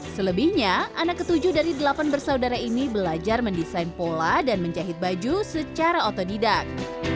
selebihnya anak ketujuh dari delapan bersaudara ini belajar mendesain pola dan menjahit baju secara otodidak